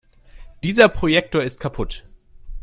Dieser Projektor ist kaputt.